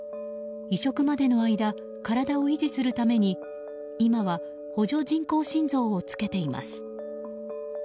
移植までの間体を維持するために今は、補助人工心臓をつけています。